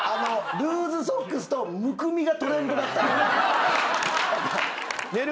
ルーズソックスとむくみがトレンドだったのよ。